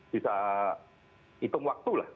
bisa hitung waktulah